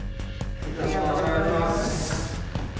よろしくお願いします。